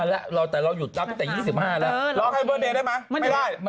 เราหยุดรับตั้งแต่๒๕แล้ว